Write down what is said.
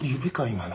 今の。